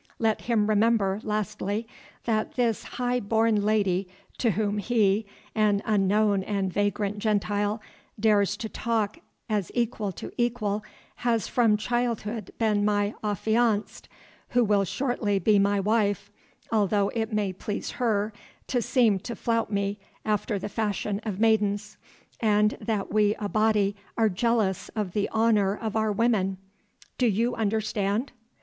Let him remember, lastly, that this high born lady to whom he, an unknown and vagrant Gentile, dares to talk as equal to equal, has from childhood been my affianced, who will shortly be my wife, although it may please her to seem to flout me after the fashion of maidens, and that we Abati are jealous of the honour of our women. Do you understand?"